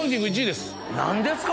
何ですか？